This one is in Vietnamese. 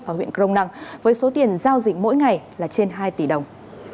và huyện crong năng với số tiền giao dịch mỗi ngày là trên hai tỷ đồng